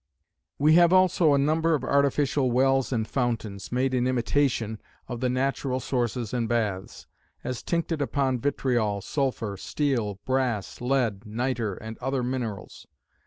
"We have also a number of artificial wells and fountains, made in imitation of the natural sources and baths; as tincted upon vitriol, sulphur, steel, brass, lead, nitre, and other minerals.